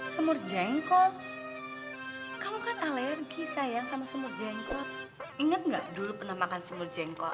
semur jengkol kamu kan alergi sayang sama semur jengkol inget enggak dulu pernah makan semur jengkol